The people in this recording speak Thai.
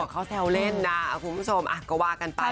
อ๋อเขาแซวเล่นน่ะคุณผู้ชมก็วากันไปค่ะ